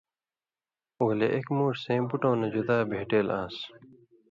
ولے اېک مُوݜ سیں بٹؤں نہ جُدا بھېٹېل آن٘س۔